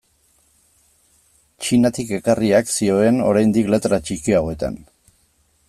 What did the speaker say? Txinatik ekarriak zioen oraindik letra txikiagoetan.